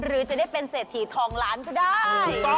หรือจะได้เป็นเศรษฐีทองล้านก็ได้